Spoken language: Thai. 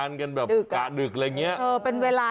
เยอะเยอะพี่พี่อ่ะอ่ะ